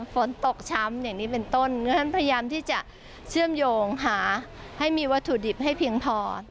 ฝนตกช้ำอย่างนี้เป็นต้นเพราะฉะนั้นพยายามที่จะเชื่อมโยงหาให้มีวัตถุดิบให้เพียงพอ